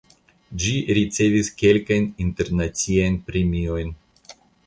Ĝi ricevis kelkajn internaciajn premiojn.